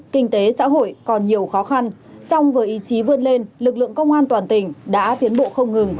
kinh tế xã hội còn nhiều khó khăn song với ý chí vươn lên lực lượng công an toàn tỉnh đã tiến bộ không ngừng